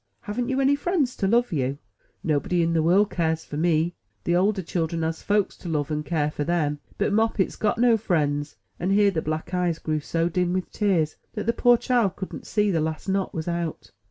Haven't you any friends to love you?" Nobody in de world keres fer me. De oder chiFen has folks to lub and kere fer em, but Moppet's got no friends"; and here the black eyes grew so dim with tears that the poor child couldn't see that the last knot was out.